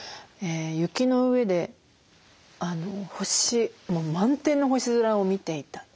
雪の上で星もう満天の星空を見ていた。